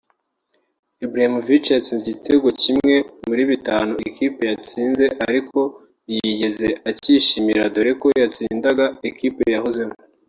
Ibrahimovic yatsinze igitego kimwe muri bitanu ikipe ye yatsinze ariko ntiyigeze acyishimira dore ko yatsindaga ikipe yahozemo